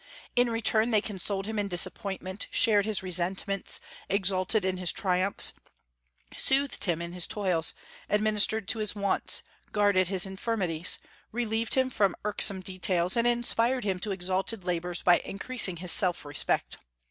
In return, they consoled him in disappointment, shared his resentments, exulted in his triumphs, soothed him in his toils, administered to his wants, guarded his infirmities, relieved him from irksome details, and inspired him to exalted labors by increasing his self respect.